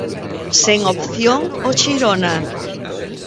Sen opción o Xirona.